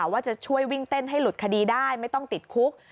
ว่าจะช่วยวิ่งเต้นให้หลุดคดีได้ไม่ต้องติดคุก